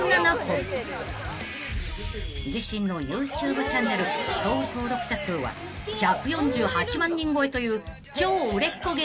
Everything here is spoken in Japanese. ［自身のＹｏｕＴｕｂｅチャンネル総登録者数は１４８万人超えという超売れっ子芸人］